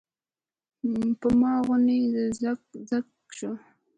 پۀ ما غونے زګ زګ شۀ ـ